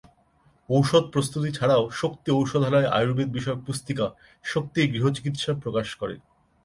ঔষধ প্রস্তুতি ছাড়াও শক্তি ঔষধালয় আয়ুর্বেদ বিষয়ক পুস্তিকা "শক্তির গৃহ চিকিৎসা" প্রকাশ করে।